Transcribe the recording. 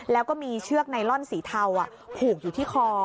แล้วก็มีเชือกไนลอนสีเทาผูกอยู่ที่คอ